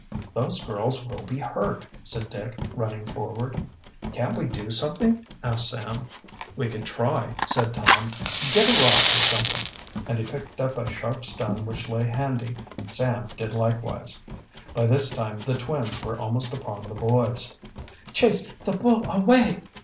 "Those girls will be hurt!" said Dick, running forward. "Can't we do something?" asked Sam. "We can try," said Tom. "Get a rock, or something," and he picked up a sharp stone which lay handy. Sam did likewise. By this time the twins were almost upon the boys. "Chase the bull away!"